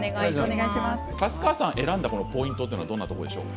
選んだポイントはどんなところでしょう？